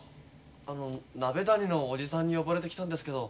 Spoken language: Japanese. あの鍋谷の伯父さんに呼ばれて来たんですけど。